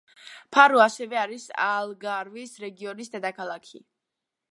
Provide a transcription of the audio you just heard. ფარუ ასევე არის ალგარვის რეგიონის დედაქალაქი.